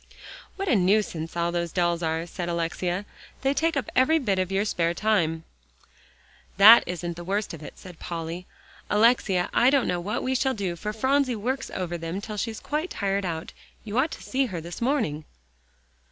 "What a nuisance all those dolls are," said Alexia, "they take up every bit of your spare time." "That isn't the worst of it," said Polly. "Alexia, I don't know what we shall do, for Phronsie works over them till she's quite tired out. You ought to see her this morning."